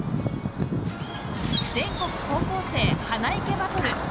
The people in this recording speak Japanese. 全国高校生「花いけバトル」。